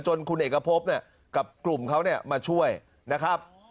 จนคุณเอกพบเนี่ยกับกลุ่มเขาเนี่ยมาช่วยนะครับ